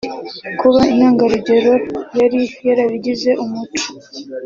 Kuba intangarugero yari yarabigize umuco